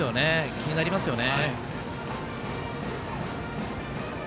気になりますよね。